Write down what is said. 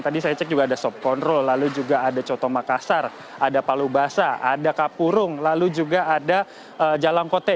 tadi saya cek juga ada sobkondrol lalu juga ada cotomakasar ada palubasa ada kapurung lalu juga ada jalangkote